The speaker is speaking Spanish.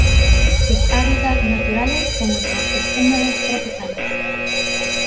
Sus hábitats naturales son los bosques húmedos tropicales.